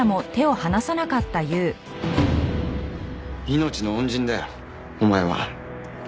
命の恩人だよお前は。